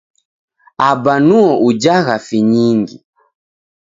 Aba nuo ujagha finyingi.